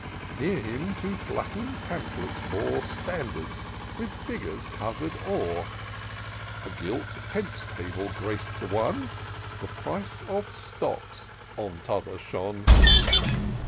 Near him two flutt'ring Pamphlets bore Standards, with figure^ cover'd o'er ; A gilt Pence table grac'd the one. The Price of Stocks on t'other shone.